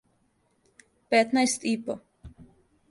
Петнаест и по.